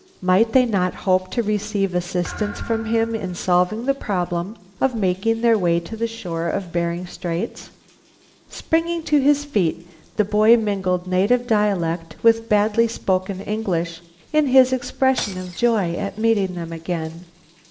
Might they not hope to receive assistance from him in solving the problem of making their way to the shore of Bering Straits? Springing to his feet, the boy mingled native dialect with badly spoken English in his expression of joy at meeting them again.